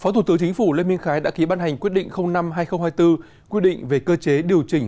phó thủ tướng chính phủ lê minh khái đã ký ban hành quyết định năm hai nghìn hai mươi bốn quy định về cơ chế điều chỉnh